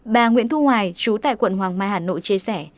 bà nguyễn thu hoài chú tại quận hoàng mai hà nội chia sẻ